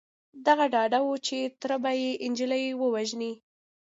هغه ډاډه و چې تره به يې نجلۍ ووژني.